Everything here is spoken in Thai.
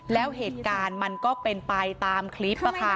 แล้วเหตุการณ์มันก็เป็นไปตามคลิปค่ะ